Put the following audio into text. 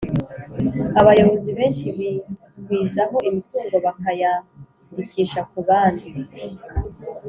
Abayobozi benshi bigwizaho imitungo bakayandikisha ku bandi